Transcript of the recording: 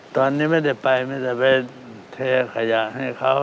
ตอนนี้ไม่ได้ไปไม่ได้ไปเทขยะให้เขา